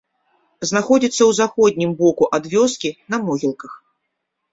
Знаходзіцца ў заходнім боку ад вёскі, на могілках.